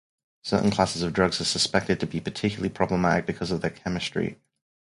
Certain classes of drugs are suspected to be particularly problematic because of their chemistry.